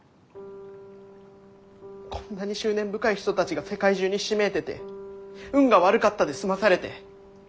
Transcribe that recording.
こんなに執念深い人たちが世界中にひしめいてて「運が悪かった」で済まされて。